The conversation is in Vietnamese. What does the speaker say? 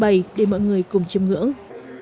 bày để mọi người cùng chiêm ngưỡng